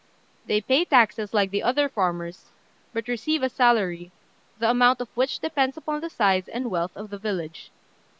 They pay taxes like the other farmers, but receive a salary, the amount of which depends upon the size and wealth of the village.